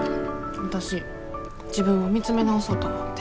わたし自分を見つめ直そうと思って。